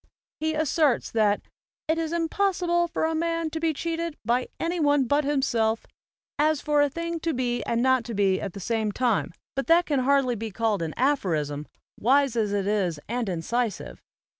He asserts that "it is as impossible for a man to be cheated by any one but himself, as for a thing to be and not to be at the same time"; but that can hardly be 108 AMERICAN APHORISMS called an aphorism, wise as it is and incisive.